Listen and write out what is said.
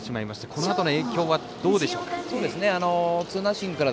このあとの影響はどうでしょうか。